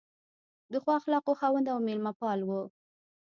د ښو اخلاقو خاوند او مېلمه پال و.